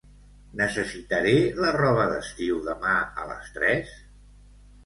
Necessitaré la roba d'estiu demà a les tres?